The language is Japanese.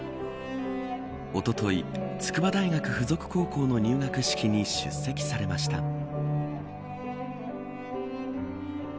おととい、筑波大学附属高校の入学式に出席されました。